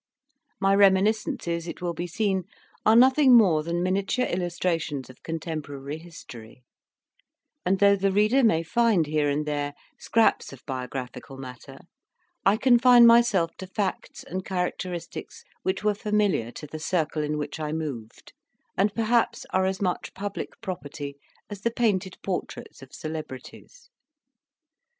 My Reminiscences, it will be seen, are nothing more than miniature illustrations of contemporary history; and though the reader may find here and there scraps of biographical matter, I confine myself to facts and characteristics which were familiar to the circle in which I moved, and perhaps are as much public property as the painted portraits of celebrities.